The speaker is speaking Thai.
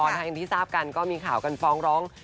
อย่างที่ทราบกันก็มีข่าวกันฟ้องร้อง